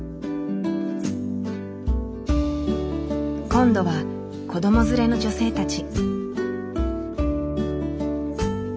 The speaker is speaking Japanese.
今度は子ども連れの女性たち。